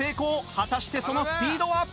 果たしてそのスピードは？